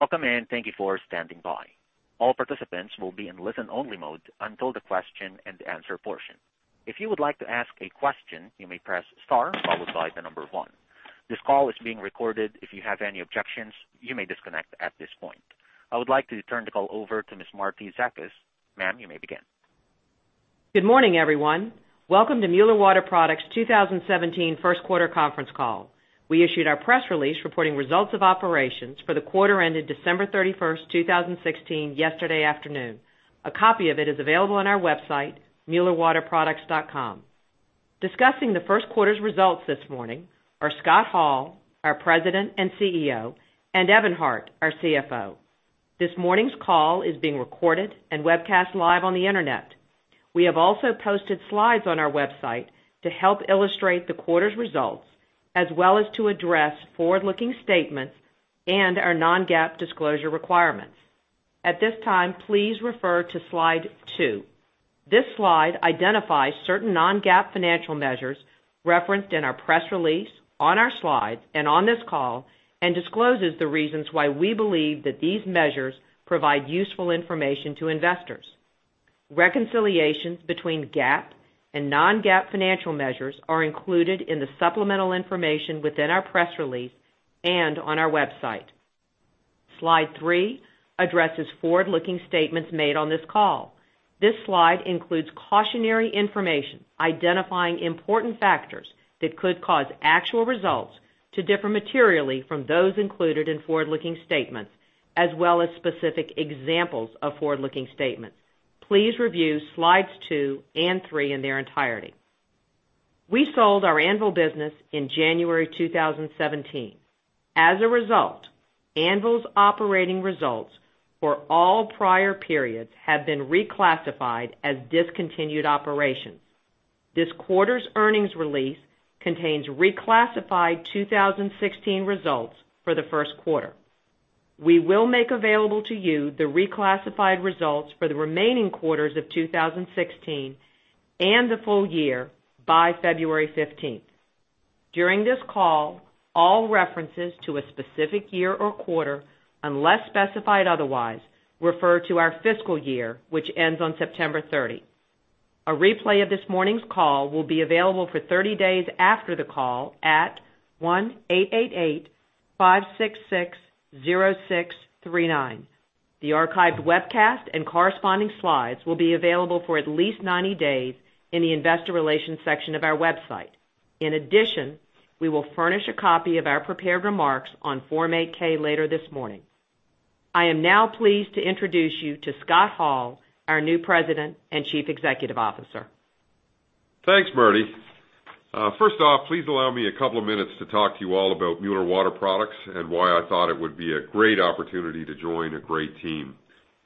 Welcome, and thank you for standing by. All participants will be in listen-only mode until the question and answer portion. If you would like to ask a question, you may press star, followed by the number one. This call is being recorded. If you have any objections, you may disconnect at this point. I would like to turn the call over to Ms. Martie Zakas. Ma'am, you may begin. Good morning, everyone. Welcome to Mueller Water Products' 2017 first quarter conference call. We issued our press release reporting results of operations for the quarter ended December 31st, 2016 yesterday afternoon. A copy of it is available on our website, muellerwaterproducts.com. Discussing the first quarter's results this morning are Scott Hall, our President and CEO, and Evan Hart, our CFO. This morning's call is being recorded and webcast live on the Internet. We have also posted slides on our website to help illustrate the quarter's results, as well as to address forward-looking statements and our non-GAAP disclosure requirements. At this time, please refer to slide two. This slide identifies certain non-GAAP financial measures referenced in our press release, on our slides and on this call, and discloses the reasons why we believe that these measures provide useful information to investors. Reconciliations between GAAP and non-GAAP financial measures are included in the supplemental information within our press release and on our website. Slide three addresses forward-looking statements made on this call. This slide includes cautionary information identifying important factors that could cause actual results to differ materially from those included in forward-looking statements, as well as specific examples of forward-looking statements. Please review slides two and three in their entirety. We sold our Anvil business in January 2017. As a result, Anvil's operating results for all prior periods have been reclassified as discontinued operations. This quarter's earnings release contains reclassified 2016 results for the first quarter. We will make available to you the reclassified results for the remaining quarters of 2016 and the full year by February 15th. During this call, all references to a specific year or quarter, unless specified otherwise, refer to our fiscal year, which ends on September 30. A replay of this morning's call will be available for 30 days after the call at 1-888-566-0639. The archived webcast and corresponding slides will be available for at least 90 days in the investor relations section of our website. In addition, we will furnish a copy of our prepared remarks on Form 8-K later this morning. I am now pleased to introduce you to Scott Hall, our new President and Chief Executive Officer. Thanks, Marti. First off, please allow me a couple of minutes to talk to you all about Mueller Water Products and why I thought it would be a great opportunity to join a great team.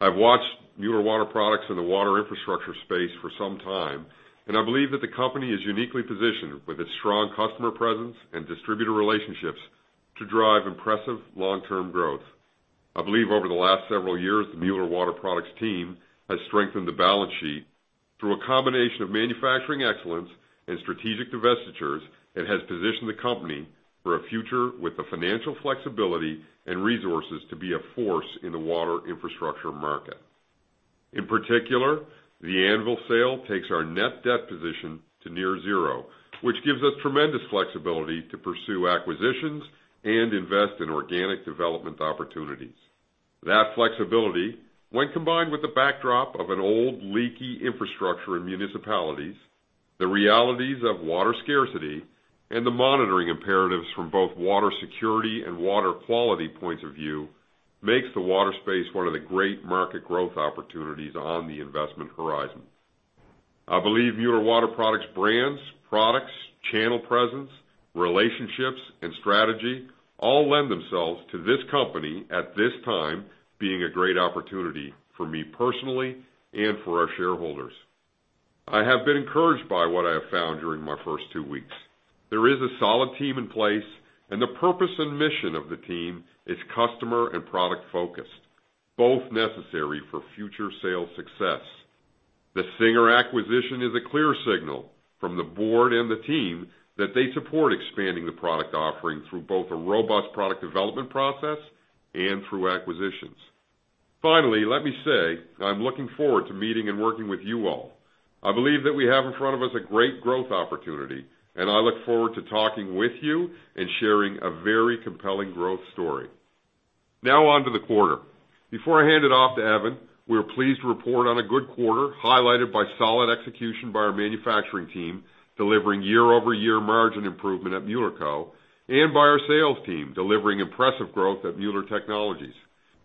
I've watched Mueller Water Products in the water infrastructure space for some time, and I believe that the company is uniquely positioned with its strong customer presence and distributor relationships to drive impressive long-term growth. I believe over the last several years, the Mueller Water Products team has strengthened the balance sheet through a combination of manufacturing excellence and strategic divestitures that has positioned the company for a future with the financial flexibility and resources to be a force in the water infrastructure market. In particular, the Anvil sale takes our net debt position to near zero, which gives us tremendous flexibility to pursue acquisitions and invest in organic development opportunities. That flexibility, when combined with the backdrop of an old, leaky infrastructure in municipalities, the realities of water scarcity, and the monitoring imperatives from both water security and water quality points of view, makes the water space one of the great market growth opportunities on the investment horizon. I believe Mueller Water Products' brands, products, channel presence, relationships, and strategy all lend themselves to this company at this time being a great opportunity for me personally and for our shareholders. I have been encouraged by what I have found during my first two weeks. There is a solid team in place, and the purpose and mission of the team is customer and product-focused, both necessary for future sales success. The Singer acquisition is a clear signal from the board and the team that they support expanding the product offering through both a robust product development process and through acquisitions. Finally, let me say, I'm looking forward to meeting and working with you all. I believe that we have in front of us a great growth opportunity, and I look forward to talking with you and sharing a very compelling growth story. Now on to the quarter. Before I hand it off to Evan, we are pleased to report on a good quarter, highlighted by solid execution by our manufacturing team, delivering year-over-year margin improvement at Mueller Co., and by our sales team, delivering impressive growth at Mueller Technologies.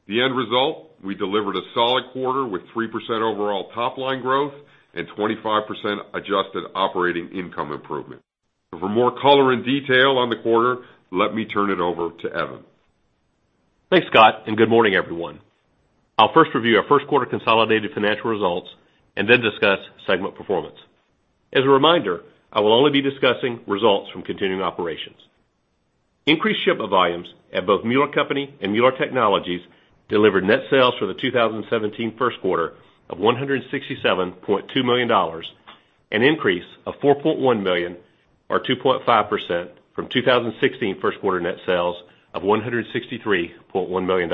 The end result, we delivered a solid quarter with 3% overall top-line growth and 25% adjusted operating income improvement. For more color and detail on the quarter, let me turn it over to Evan. Thanks, Scott, and good morning, everyone. I'll first review our first quarter consolidated financial results and then discuss segment performance. As a reminder, I will only be discussing results from continuing operations. Increased shipment volumes at both Mueller Co. and Mueller Technologies delivered net sales for the 2017 first quarter of $167.2 million An increase of $4.1 million or 2.5% from 2016 first quarter net sales of $163.1 million.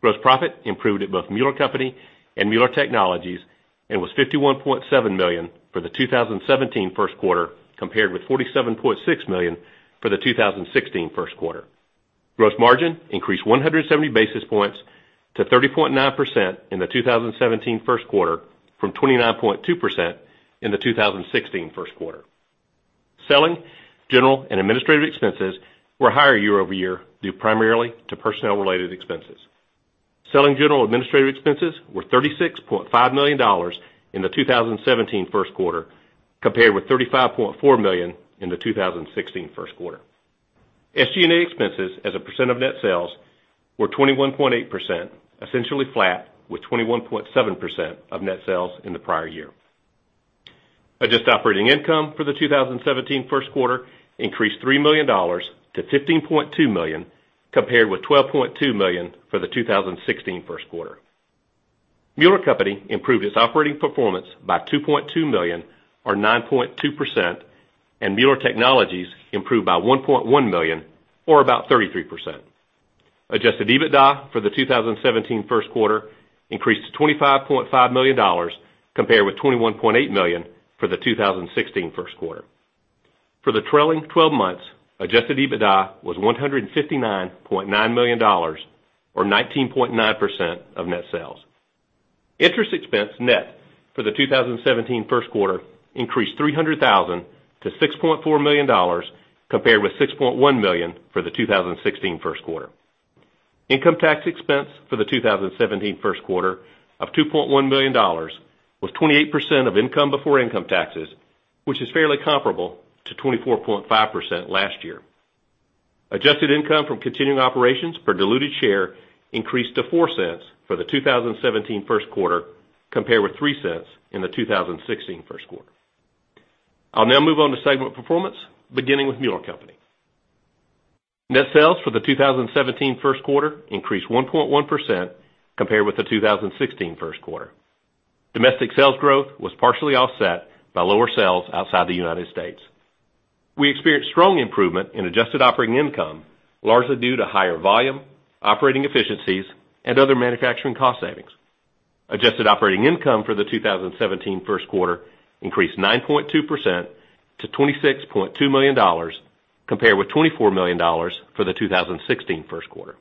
Gross profit improved at both Mueller Co. and Mueller Technologies and was $51.7 million for the 2017 first quarter, compared with $47.6 million for the 2016 first quarter. Gross margin increased 170 basis points to 30.9% in the 2017 first quarter from 29.2% in the 2016 first quarter. Selling, general and administrative expenses were higher year-over-year, due primarily to personnel related expenses. Selling, general and administrative expenses were $36.5 million in the 2017 first quarter, compared with $35.4 million in the 2016 first quarter. SG&A expenses as a % of net sales were 21.8%, essentially flat with 21.7% of net sales in the prior year. Adjusted operating income for the 2017 first quarter increased $3 million to $15.2 million, compared with $12.2 million for the 2016 first quarter. Mueller Co. improved its operating performance by $2.2 million or 9.2%, and Mueller Technologies improved by $1.1 million or about 33%. Adjusted EBITDA for the 2017 first quarter increased to $25.5 million compared with $21.8 million for the 2016 first quarter. For the trailing 12 months, adjusted EBITDA was $159.9 million or 19.9% of net sales. Interest expense net for the 2017 first quarter increased $300,000 to $6.4 million, compared with $6.1 million for the 2016 first quarter. Income tax expense for the 2017 first quarter of $2.1 million was 28% of income before income taxes, which is fairly comparable to 24.5% last year. Adjusted income from continuing operations per diluted share increased to $0.04 for the 2017 first quarter, compared with $0.03 in the 2016 first quarter. I'll now move on to segment performance, beginning with Mueller Co. Net sales for the 2017 first quarter increased 1.1% compared with the 2016 first quarter. Domestic sales growth was partially offset by lower sales outside the U.S. We experienced strong improvement in adjusted operating income, largely due to higher volume, operating efficiencies, and other manufacturing cost savings. Adjusted operating income for the 2017 first quarter increased 9.2% to $26.2 million, compared with $24 million for the 2016 first quarter.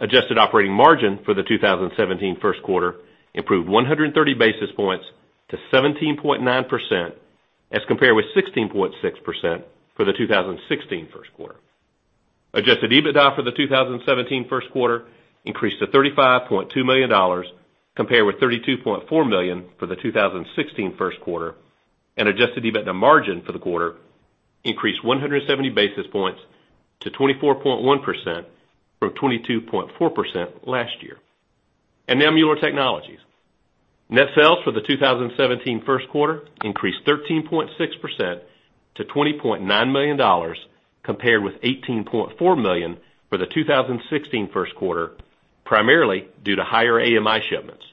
Adjusted operating margin for the 2017 first quarter improved 130 basis points to 17.9%, as compared with 16.6% for the 2016 first quarter. Adjusted EBITDA for the 2017 first quarter increased to $35.2 million, compared with $32.4 million for the 2016 first quarter, and adjusted EBITDA margin for the quarter increased 170 basis points to 24.1% from 22.4% last year. Now Mueller Technologies. Net sales for the 2017 first quarter increased 13.6% to $20.9 million, compared with $18.4 million for the 2016 first quarter, primarily due to higher AMI shipments.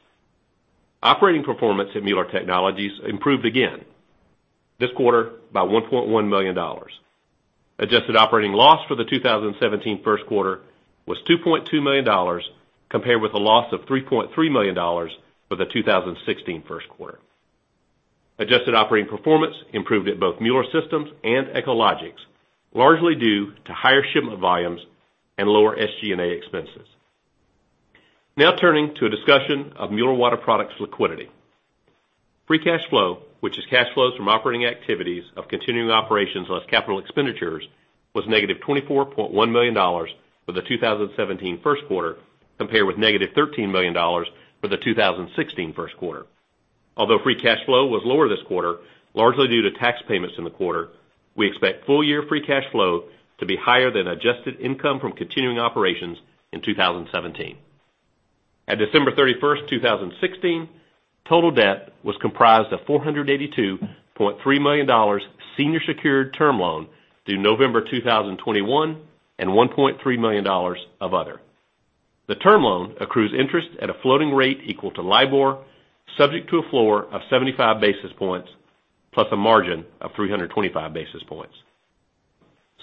Operating performance at Mueller Technologies improved again this quarter by $1.1 million. Adjusted operating loss for the 2017 first quarter was $2.2 million, compared with a loss of $3.3 million for the 2016 first quarter. Adjusted operating performance improved at both Mueller Systems and Echologics, largely due to higher shipment volumes and lower SG&A expenses. Now turning to a discussion of Mueller Water Products liquidity. Free cash flow, which is cash flows from operating activities of continuing operations less capital expenditures, was negative $24.1 million for the 2017 first quarter, compared with negative $13 million for the 2016 first quarter. Although free cash flow was lower this quarter, largely due to tax payments in the quarter, we expect full year free cash flow to be higher than adjusted income from continuing operations in 2017. At December 31st, 2016, total debt was comprised of $482.3 million senior secured term loan due November 2021 and $1.3 million of other. The term loan accrues interest at a floating rate equal to LIBOR, subject to a floor of 75 basis points, plus a margin of 325 basis points.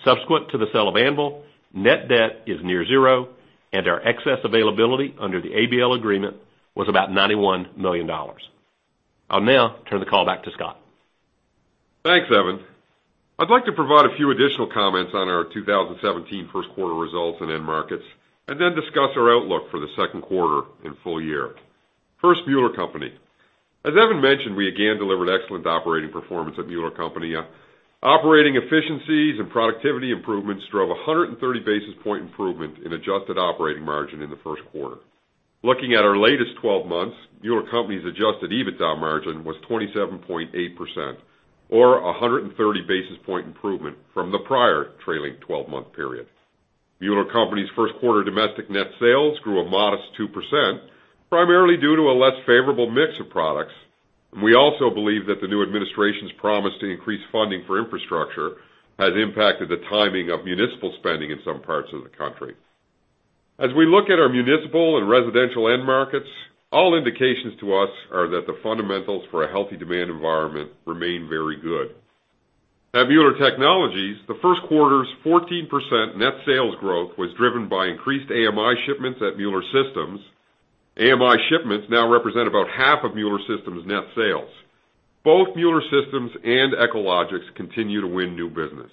Subsequent to the sale of Anvil, net debt is near zero and our excess availability under the ABL agreement was about $91 million. I will now turn the call back to Scott. Thanks, Evan. I would like to provide a few additional comments on our 2017 first quarter results and end markets and then discuss our outlook for the second quarter and full year. First, Mueller Co. As Evan mentioned, we again delivered excellent operating performance at Mueller Co. Operating efficiencies and productivity improvements drove 130 basis point improvement in adjusted operating margin in the first quarter. Looking at our latest 12 months, Mueller Co.'s adjusted EBITDA margin was 27.8%, or 130 basis point improvement from the prior trailing 12-month period. Mueller Co.'s first quarter domestic net sales grew a modest 2%, primarily due to a less favorable mix of products. We also believe that the new administration's promise to increase funding for infrastructure has impacted the timing of municipal spending in some parts of the country. As we look at our municipal and residential end markets, all indications to us are that the fundamentals for a healthy demand environment remain very good. At Mueller Technologies, the first quarter's 14% net sales growth was driven by increased AMI shipments at Mueller Systems. AMI shipments now represent about half of Mueller Systems' net sales. Both Mueller Systems and Echologics continue to win new business.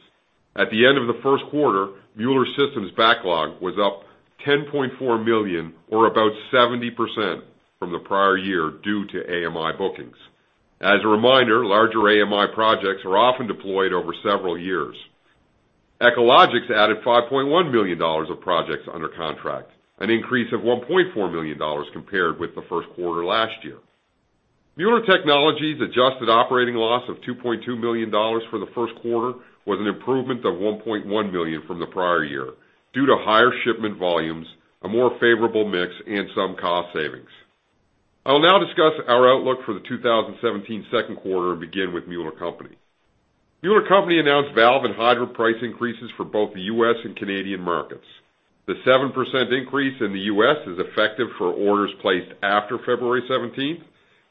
At the end of the first quarter, Mueller Systems' backlog was up $10.4 million, or about 70% from the prior year, due to AMI bookings. As a reminder, larger AMI projects are often deployed over several years. Echologics added $5.1 million of projects under contract, an increase of $1.4 million compared with the first quarter last year. Mueller Technologies' adjusted operating loss of $2.2 million for the first quarter was an improvement of $1.1 million from the prior year due to higher shipment volumes, a more favorable mix, and some cost savings. I will now discuss our outlook for the 2017 second quarter and begin with Mueller Co. Mueller Co. announced valve and hydro price increases for both the U.S. and Canadian markets. The 7% increase in the U.S. is effective for orders placed after February 17th,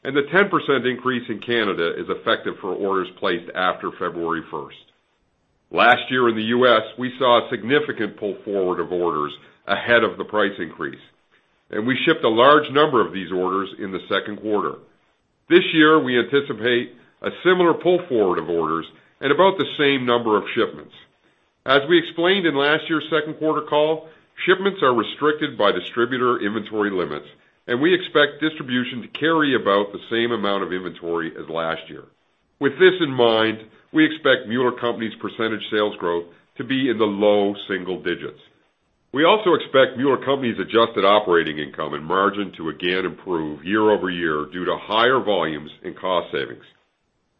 and the 10% increase in Canada is effective for orders placed after February 1st. Last year in the U.S., we saw a significant pull forward of orders ahead of the price increase, and we shipped a large number of these orders in the second quarter. This year, we anticipate a similar pull forward of orders and about the same number of shipments. As we explained in last year's second quarter call, shipments are restricted by distributor inventory limits, and we expect distribution to carry about the same amount of inventory as last year. With this in mind, we expect Mueller Co.'s percentage sales growth to be in the low single digits. We also expect Mueller Co.'s adjusted operating income and margin to again improve year-over-year due to higher volumes and cost savings.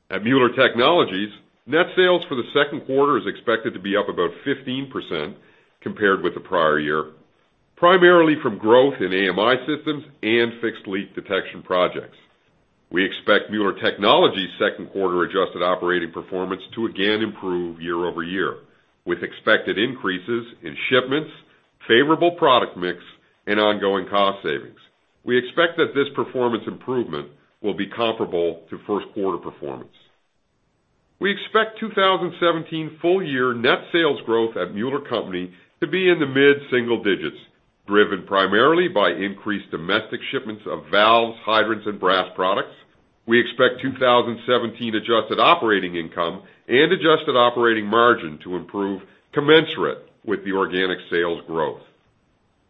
At Mueller Technologies, net sales for the second quarter is expected to be up about 15% compared with the prior year, primarily from growth in AMI systems and fixed leak detection projects. We expect Mueller Technologies' second quarter adjusted operating performance to again improve year-over-year, with expected increases in shipments, favorable product mix, and ongoing cost savings. We expect that this performance improvement will be comparable to first quarter performance. We expect 2017 full year net sales growth at Mueller Co. to be in the mid-single digits, driven primarily by increased domestic shipments of valves, hydrants, and brass products. We expect 2017 adjusted operating income and adjusted operating margin to improve commensurate with the organic sales growth.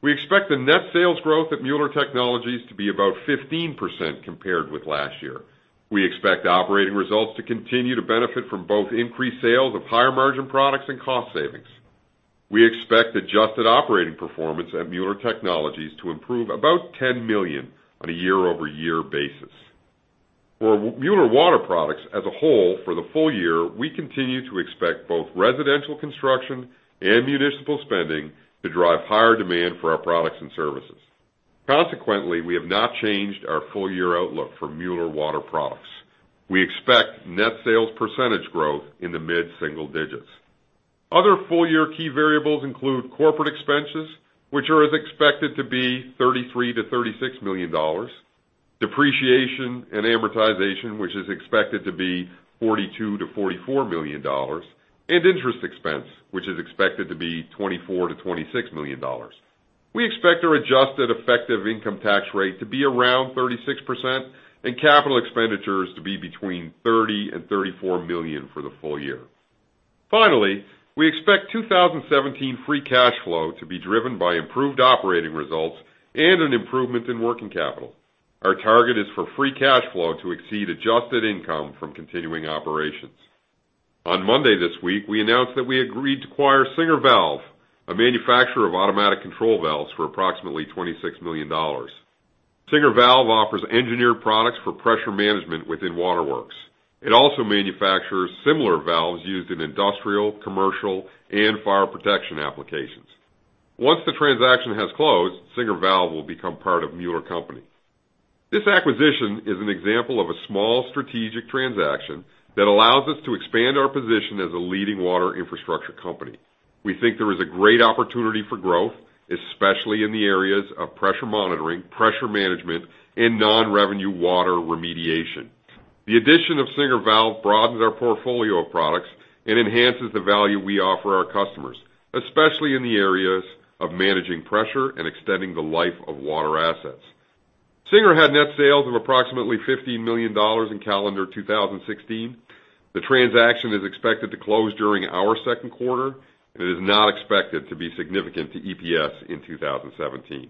We expect the net sales growth at Mueller Technologies to be about 15% compared with last year. We expect operating results to continue to benefit from both increased sales of higher-margin products and cost savings. We expect adjusted operating performance at Mueller Technologies to improve about $10 million on a year-over-year basis. For Mueller Water Products as a whole for the full year, we continue to expect both residential construction and municipal spending to drive higher demand for our products and services. Consequently, we have not changed our full year outlook for Mueller Water Products. We expect net sales percentage growth in the mid-single digits. Other full-year key variables include corporate expenses, which are expected to be $33 million-$36 million, depreciation and amortization, which is expected to be $42 million-$44 million, and interest expense, which is expected to be $24 million-$26 million. We expect our adjusted effective income tax rate to be around 36% and capital expenditures to be between $30 million and $34 million for the full year. Finally, we expect 2017 free cash flow to be driven by improved operating results and an improvement in working capital. Our target is for free cash flow to exceed adjusted income from continuing operations. On Monday this week, we announced that we agreed to acquire Singer Valve, a manufacturer of automatic control valves, for approximately $26 million. Singer Valve offers engineered products for pressure management within waterworks. It also manufactures similar valves used in industrial, commercial, and fire protection applications. Once the transaction has closed, Singer Valve will become part of Mueller Co. This acquisition is an example of a small strategic transaction that allows us to expand our position as a leading water infrastructure company. We think there is a great opportunity for growth, especially in the areas of pressure monitoring, pressure management, and non-revenue water remediation. The addition of Singer Valve broadens our portfolio of products and enhances the value we offer our customers, especially in the areas of managing pressure and extending the life of water assets. Singer had net sales of approximately $15 million in calendar 2016. The transaction is expected to close during our second quarter. It is not expected to be significant to EPS in 2017.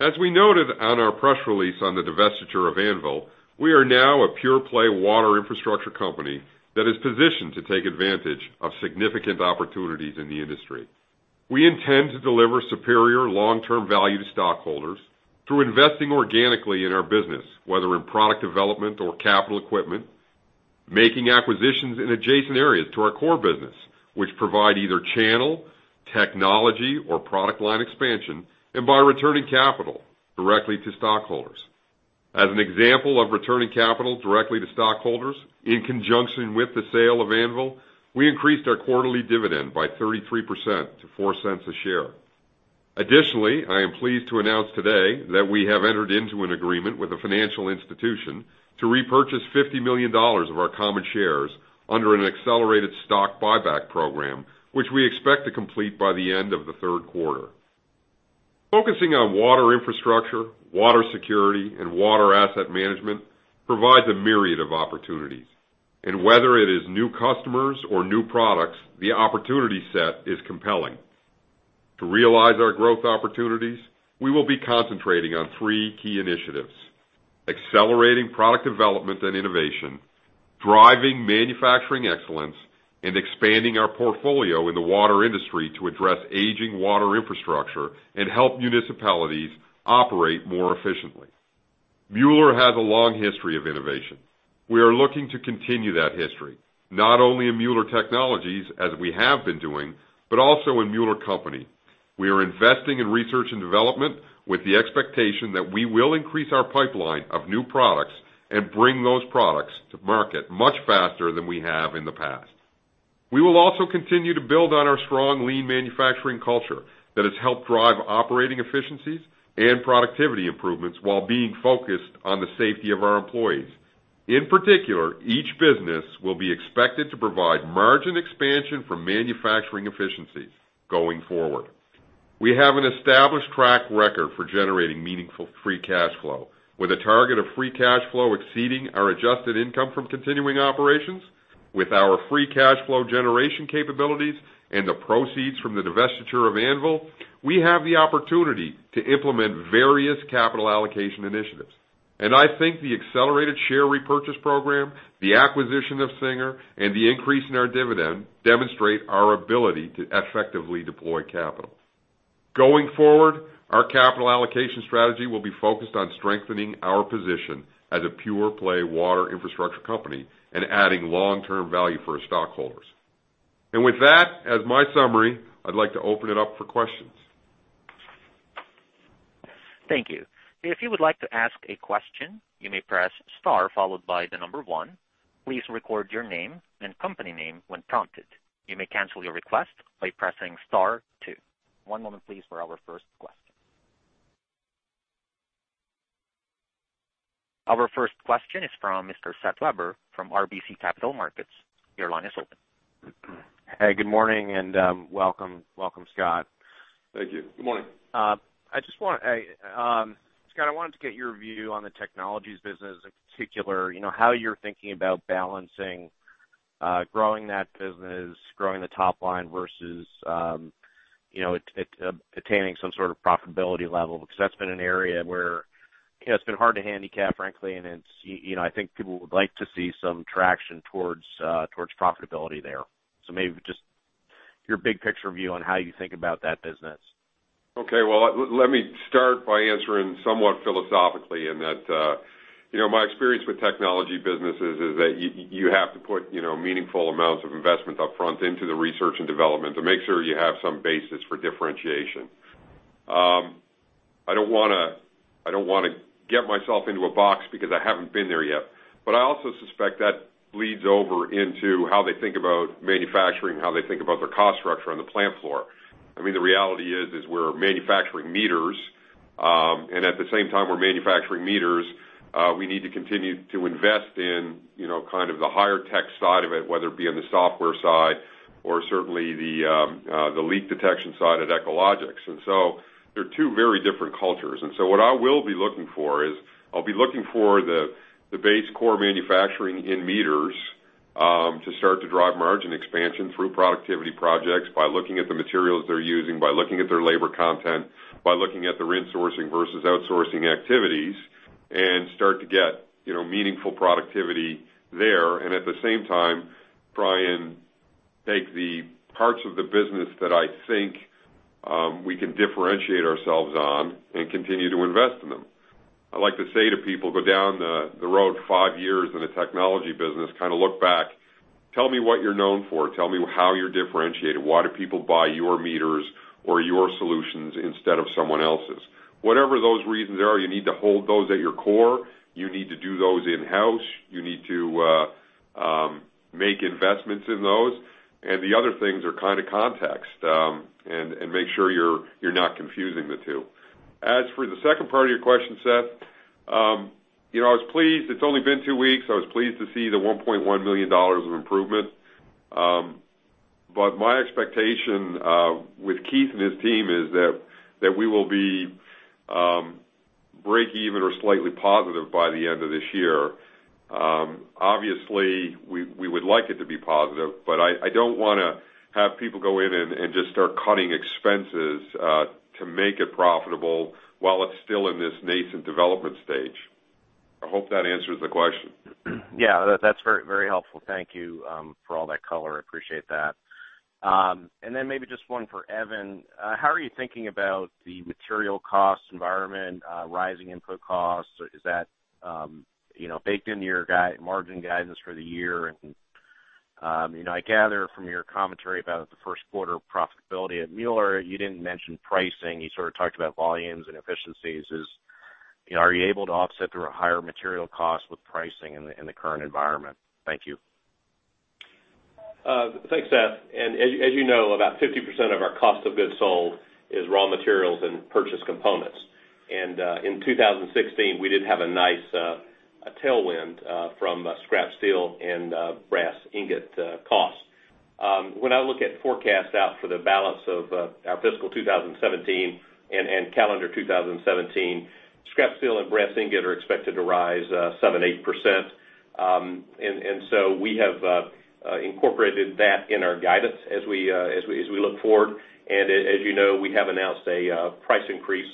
As we noted on our press release on the divestiture of Anvil, we are now a pure play water infrastructure company that is positioned to take advantage of significant opportunities in the industry. We intend to deliver superior long-term value to stockholders through investing organically in our business, whether in product development or capital equipment, making acquisitions in adjacent areas to our core business, which provide either channel, technology, or product line expansion, and by returning capital directly to stockholders. As an example of returning capital directly to stockholders, in conjunction with the sale of Anvil, we increased our quarterly dividend by 33% to $0.04 a share. Additionally, I am pleased to announce today that we have entered into an agreement with a financial institution to repurchase $50 million of our common shares under an accelerated stock buyback program, which we expect to complete by the end of the third quarter. Focusing on water infrastructure, water security, and water asset management provides a myriad of opportunities. Whether it is new customers or new products, the opportunity set is compelling. To realize our growth opportunities, we will be concentrating on 3 key initiatives: accelerating product development and innovation, driving manufacturing excellence, and expanding our portfolio in the water industry to address aging water infrastructure and help municipalities operate more efficiently. Mueller has a long history of innovation. We are looking to continue that history, not only in Mueller Technologies, as we have been doing, but also in Mueller Co. We are investing in research and development with the expectation that we will increase our pipeline of new products and bring those products to market much faster than we have in the past. We will also continue to build on our strong lean manufacturing culture that has helped drive operating efficiencies and productivity improvements while being focused on the safety of our employees. In particular, each business will be expected to provide margin expansion from manufacturing efficiencies going forward. We have an established track record for generating meaningful free cash flow with a target of free cash flow exceeding our adjusted income from continuing operations. With our free cash flow generation capabilities and the proceeds from the divestiture of Anvil, we have the opportunity to implement various capital allocation initiatives, and I think the accelerated share repurchase program, the acquisition of Singer, and the increase in our dividend demonstrate our ability to effectively deploy capital. Going forward, our capital allocation strategy will be focused on strengthening our position as a pure play water infrastructure company and adding long-term value for our stockholders. With that, as my summary, I'd like to open it up for questions. Thank you. If you would like to ask a question, you may press star followed by 1. Please record your name and company name when prompted. You may cancel your request by pressing star 2. One moment please for our first question. Our first question is from Mr. Seth Weber from RBC Capital Markets. Your line is open. Hey, good morning and welcome, Scott. Thank you. Good morning. Scott, I wanted to get your view on the technologies business, in particular, how you're thinking about balancing growing that business, growing the top line versus attaining some sort of profitability level. That's been an area where it's been hard to handicap, frankly, and I think people would like to see some traction towards profitability there. Maybe just your big picture view on how you think about that business. Okay. Well, let me start by answering somewhat philosophically in that my experience with technology businesses is that you have to put meaningful amounts of investment upfront into the research and development to make sure you have some basis for differentiation. I don't want to get myself into a box because I haven't been there yet, but I also suspect that bleeds over into how they think about manufacturing, how they think about their cost structure on the plant floor. I mean, the reality is we're manufacturing meters. At the same time we're manufacturing meters, we need to continue to invest in kind of the higher tech side of it, whether it be on the software side or certainly the leak detection side at Echologics. They're two very different cultures. What I will be looking for is, I'll be looking for the base core manufacturing in meters, to start to drive margin expansion through productivity projects by looking at the materials they're using, by looking at their labor content, by looking at the resourcing versus outsourcing activities, and start to get meaningful productivity there. At the same time, try and take the parts of the business that I think we can differentiate ourselves on and continue to invest in them. I like to say to people, go down the road five years in a technology business, kind of look back. Tell me what you're known for. Tell me how you're differentiated. Why do people buy your meters or your solutions instead of someone else's? Whatever those reasons are, you need to hold those at your core. You need to do those in-house. You need to make investments in those. The other things are kind of context, and make sure you're not confusing the two. As for the second part of your question, Seth, it's only been two weeks, I was pleased to see the $1.1 million of improvement. My expectation, with Keith and his team is that, we will be breakeven or slightly positive by the end of this year. Obviously, we would like it to be positive, but I don't want to have people go in and just start cutting expenses to make it profitable while it's still in this nascent development stage. I hope that answers the question. Yeah, that's very helpful. Thank you, for all that color. I appreciate that. Then maybe just one for Evan. How are you thinking about the material cost environment, rising input costs? Is that baked into your margin guidance for the year and I gather from your commentary about the first quarter profitability at Mueller, you didn't mention pricing. You sort of talked about volumes and efficiencies. Are you able to offset the higher material costs with pricing in the current environment? Thank you. Thanks, Seth. As you know, about 50% of our cost of goods sold is raw materials and purchase components. In 2016, we did have a nice tailwind from scrap steel and brass ingot costs. When I look at forecasts out for the balance of our fiscal 2017 and calendar 2017, scrap steel and brass ingot are expected to rise 7%, 8%. We have incorporated that in our guidance as we look forward. As you know, we have announced a price increase,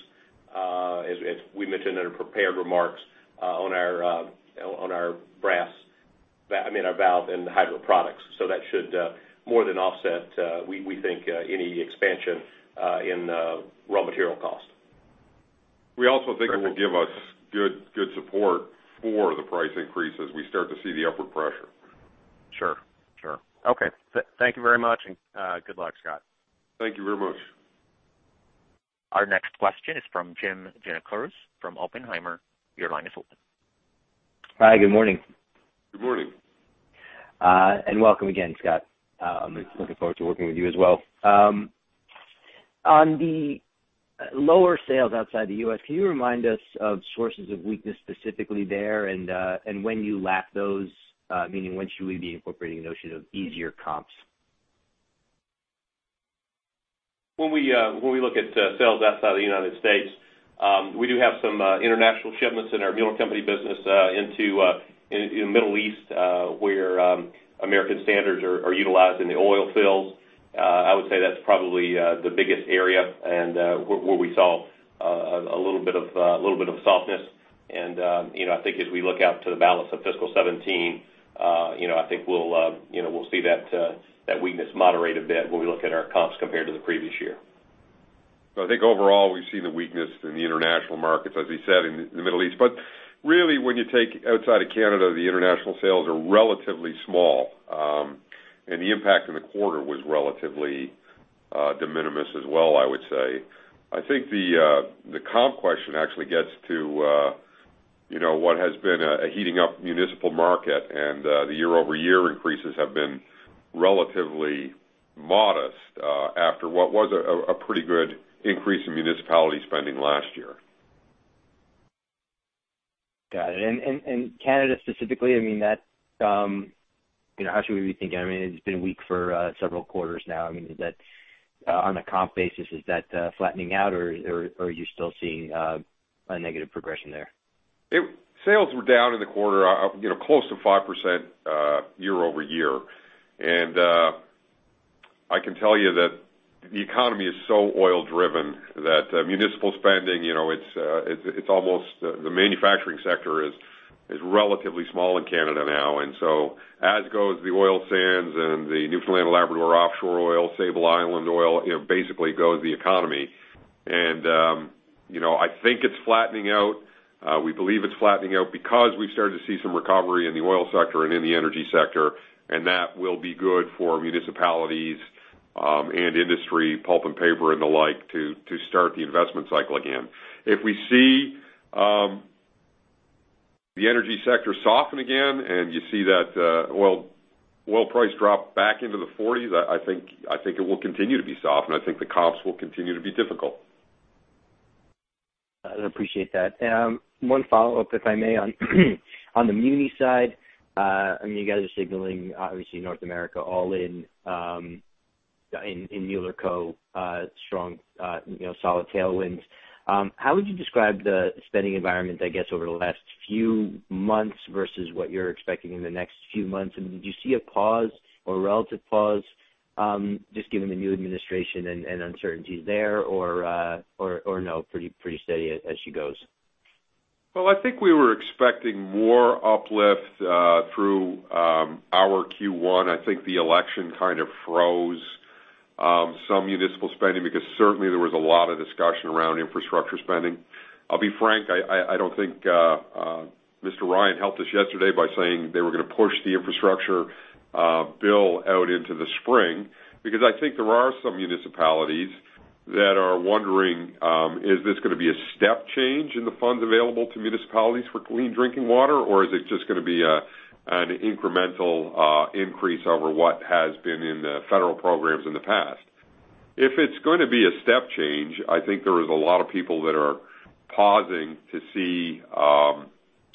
as we mentioned in our prepared remarks, on our brass, I mean our valve and hydrant products. That should more than offset, we think, any expansion in raw material cost. We also think it will give us good support for the price increase as we start to see the upward pressure. Sure. Okay. Thank you very much, and good luck, Scott. Thank you very much. Our next question is from Jim Giannakouros from Oppenheimer. Your line is open. Hi, good morning. Good morning. Welcome again, Scott. Looking forward to working with you as well. On the lower sales outside the U.S., can you remind us of sources of weakness specifically there, and when you lap those, meaning when should we be incorporating the notion of easier comps? When we look at sales outside of the United States, we do have some international shipments in our Mueller Co. business in the Middle East, where American standards are utilized in the oil fields. I would say that's probably the biggest area and where we saw a little bit of softness. I think as we look out to the balance of FY 2017, I think we'll see that weakness moderate a bit when we look at our comps compared to the previous year. I think overall, we see the weakness in the international markets, as he said, in the Middle East. Really, when you take outside of Canada, the international sales are relatively small. The impact in the quarter was relatively de minimis as well, I would say. I think the comp question actually gets to what has been a heating up municipal market, and the year-over-year increases have been relatively modest after what was a pretty good increase in municipality spending last year. Got it. Canada specifically, how should we be thinking? It's been weak for several quarters now. On a comp basis, is that flattening out, or are you still seeing a negative progression there? Sales were down in the quarter, close to 5% year-over-year. I can tell you that the economy is so oil-driven that municipal spending, the manufacturing sector is relatively small in Canada now. As goes the oil sands and the Newfoundland and Labrador offshore oil, Sable Island oil, basically goes the economy. I think it's flattening out. We believe it's flattening out because we've started to see some recovery in the oil sector and in the energy sector, and that will be good for municipalities and industry, pulp and paper, and the like, to start the investment cycle again. If we see the energy sector soften again, and you see that oil price drop back into the 40s, I think it will continue to be soft, and I think the comps will continue to be difficult. I appreciate that. One follow-up, if I may, on the muni side. You guys are signaling, obviously, North America all in Mueller Co., strong, solid tailwinds. How would you describe the spending environment, I guess, over the last few months versus what you're expecting in the next few months? Did you see a pause or relative pause, just given the new administration and uncertainties there, or no, pretty steady as she goes? Well, I think we were expecting more uplift through our Q1. I think the election kind of froze some municipal spending because certainly there was a lot of discussion around infrastructure spending. I'll be frank, I don't think Paul Ryan helped us yesterday by saying they were going to push the infrastructure bill out into the spring, because I think there are some municipalities that are wondering, is this going to be a step change in the funds available to municipalities for clean drinking water, or is it just going to be an incremental increase over what has been in the federal programs in the past? If it's going to be a step change, I think there is a lot of people that are pausing to see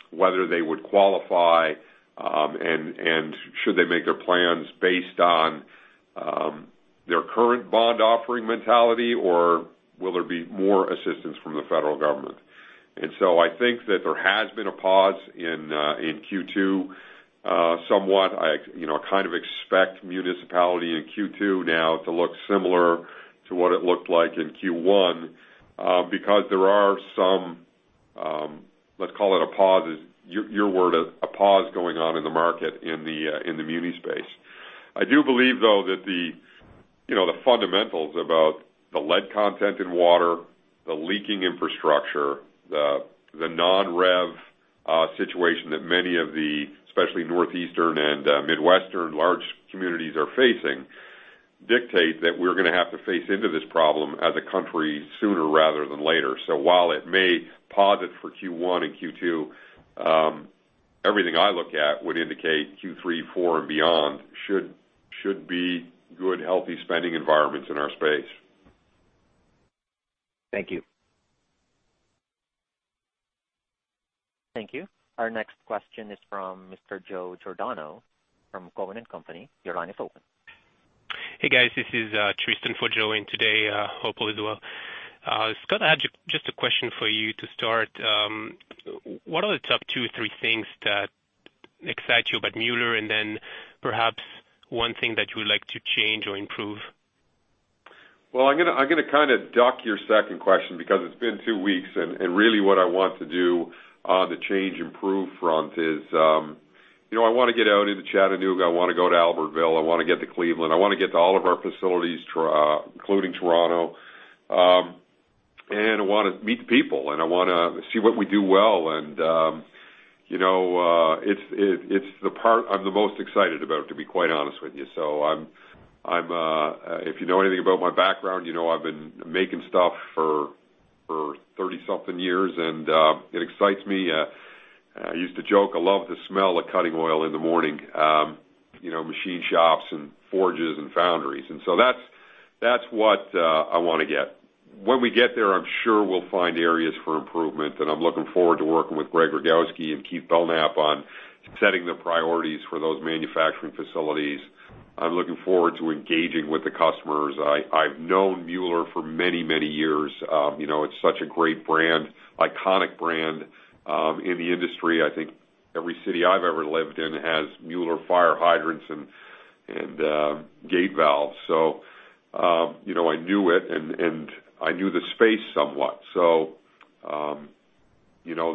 whether they would qualify, and should they make their plans based on their current bond offering mentality, or will there be more assistance from the federal government? I think that there has been a pause in Q2 somewhat. I kind of expect municipality in Q2 now to look similar to what it looked like in Q1 because there are some, let's call it a pause, your word, a pause going on in the market in the muni space. I do believe, though, that the fundamentals about the lead content in water, the leaking infrastructure, the non-rev situation that many of the, especially Northeastern and Midwestern large communities are facing, dictate that we're going to have to face into this problem as a country sooner rather than later. While it may pause it for Q1 and Q2, everything I look at would indicate Q3, four and beyond should be good, healthy spending environments in our space. Thank you. Thank you. Our next question is from Mr. Joe Giordano from Cowen and Company. Your line is open. Hey guys, this is Tristan for Joe in today. Hope all is well. Scott, I had just a question for you to start. What are the top two, three things that excite you about Mueller, and then perhaps one thing that you would like to change or improve? I'm going to kind of duck your second question because it's been two weeks, and really what I want to do on the change improve front is, I want to get out into Chattanooga, I want to go to Albertville, I want to get to Cleveland. I want to get to all of our facilities, including Toronto. I want to meet the people, and I want to see what we do well. It's the part I'm the most excited about, to be quite honest with you. If you know anything about my background, you know I've been making stuff for 30 something years, and it excites me. I used to joke, I love the smell of cutting oil in the morning. Machine shops and forges and foundries. That's what I want to get. When we get there, I'm sure we'll find areas for improvement, I'm looking forward to working with Greg Rogowski and Keith Belknap on setting the priorities for those manufacturing facilities. I'm looking forward to engaging with the customers. I've known Mueller for many, many years. It's such a great brand, iconic brand, in the industry. I think every city I've ever lived in has Mueller fire hydrants and gate valves. I knew it, and I knew the space somewhat,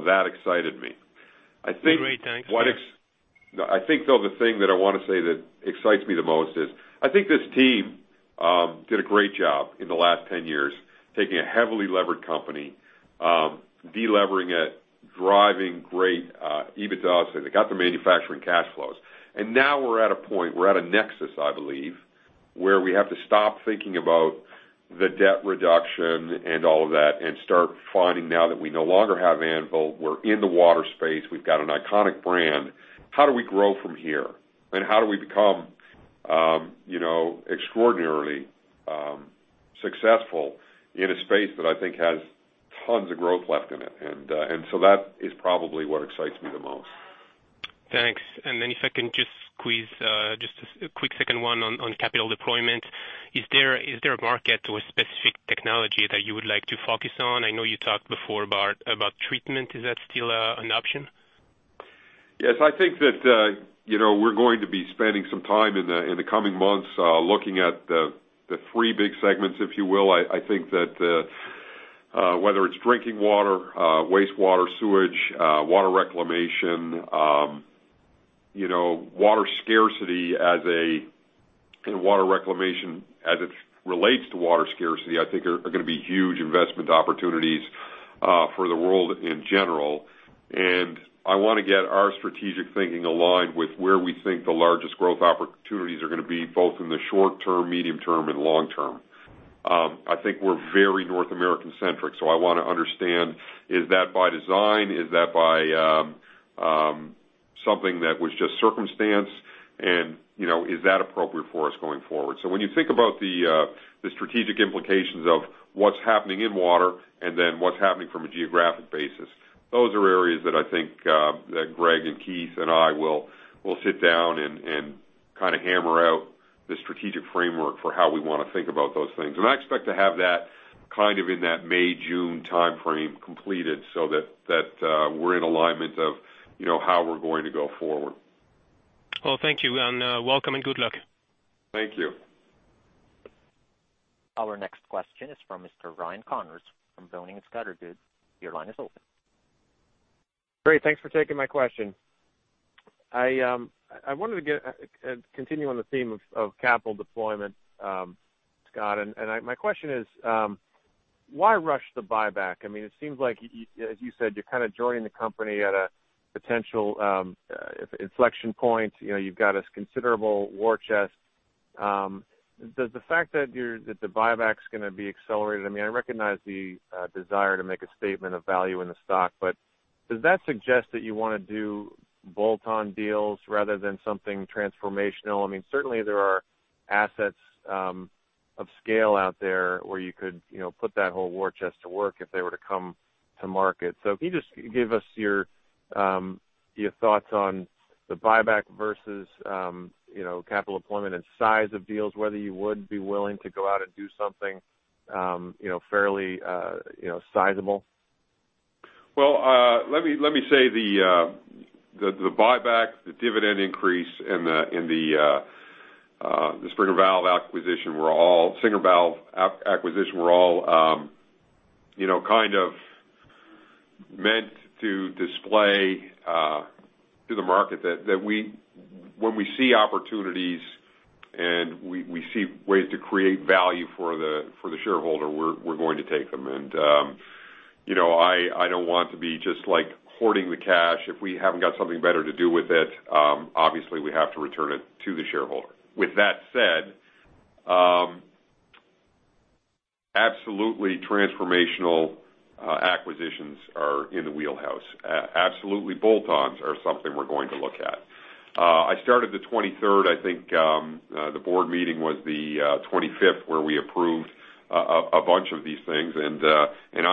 that excited me. Great, thanks. I think, though, the thing that I want to say that excites me the most is, I think this team did a great job in the last 10 years, taking a heavily levered company, de-levering it, driving great EBITDA. They got the manufacturing cash flows. Now we're at a point, we're at a nexus, I believe, where we have to stop thinking about the debt reduction and all of that, and start finding now that we no longer have Anvil, we're in the water space. We've got an iconic brand. How do we grow from here? How do we become extraordinarily successful in a space that I think has tons of growth left in it? That is probably what excites me the most. Thanks. If I can just squeeze just a quick second one on capital deployment. Is there a market or a specific technology that you would like to focus on? I know you talked before about treatment. Is that still an option? Yes. I think that we're going to be spending some time in the coming months looking at the three big segments, if you will. I think that whether it's drinking water, wastewater, sewage, water reclamation, water scarcity and water reclamation as it relates to water scarcity, I think are going to be huge investment opportunities for the world in general. I want to get our strategic thinking aligned with where we think the largest growth opportunities are going to be, both in the short term, medium term, and long term. I think we're very North American centric, so I want to understand, is that by design? Is that by something that was just circumstance? Is that appropriate for us going forward? When you think about the strategic implications of what's happening in water and then what's happening from a geographic basis, those are areas that I think that Greg and Keith and I will sit down and kind of hammer out the strategic framework for how we want to think about those things. I expect to have that kind of in that May, June timeframe completed so that we're in alignment of how we're going to go forward. Thank you, and welcome and good luck. Thank you. Our next question is from Ryan Connors from Boenning & Scattergood. Dude, your line is open. Great, thanks for taking my question. My question is why rush the buyback? It seems like you, as you said, you're kind of joining the company at a potential inflection point. You've got a considerable war chest. Does the fact that the buyback's going to be accelerated, I recognize the desire to make a statement of value in the stock, but does that suggest that you want to do bolt-on deals rather than something transformational? Certainly there are assets of scale out there where you could put that whole war chest to work if they were to come to market. Can you just give us your thoughts on the buyback versus capital deployment and size of deals, whether you would be willing to go out and do something fairly sizable? Well, let me say the buyback, the dividend increase and the Singer Valve acquisition were all kind of meant to display to the market that when we see opportunities and we see ways to create value for the shareholder, we're going to take them. I don't want to be just hoarding the cash. If we haven't got something better to do with it, obviously we have to return it to the shareholder. With that said, absolutely transformational acquisitions are in the wheelhouse. Absolutely bolt-ons are something we're going to look at. I started the 23rd, I think the board meeting was the 25th, where we approved a bunch of these things, I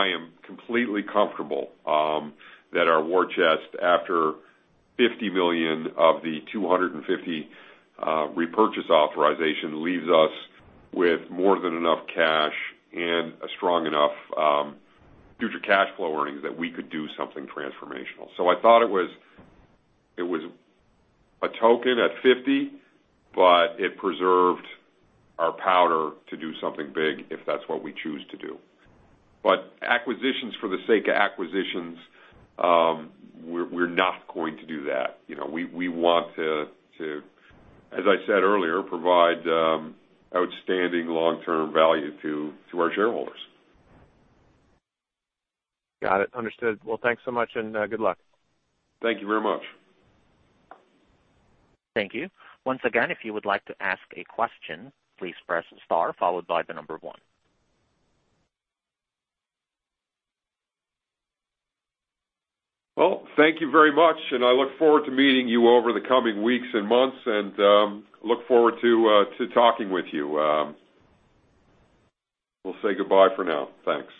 am completely comfortable that our war chest, after $50 million of the $250 million repurchase authorization, leaves us with more than enough cash and a strong enough future cash flow earnings that we could do something transformational. I thought it was a token at $50 million, but it preserved our powder to do something big, if that's what we choose to do. Acquisitions for the sake of acquisitions, we're not going to do that. We want to, as I said earlier, provide outstanding long-term value to our shareholders. Got it. Understood. Well, thanks so much and good luck. Thank you very much. Thank you. Once again, if you would like to ask a question, please press star followed by the number one. Well, thank you very much, I look forward to meeting you over the coming weeks and months and look forward to talking with you. We'll say goodbye for now. Thanks.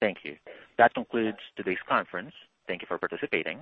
Thank you. That concludes today's conference. Thank you for participating.